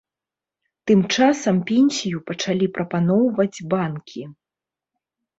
Тым часам пенсію пачалі прапаноўваюць банкі.